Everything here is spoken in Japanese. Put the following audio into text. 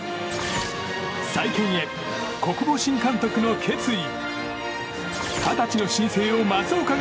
再建へ、小久保新監督の決意！